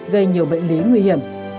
gây nhiều bệnh lý nguy hiểm